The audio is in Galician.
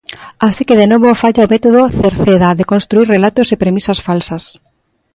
Así que de novo falla o método Cerceda de construír relatos e premisas falsas.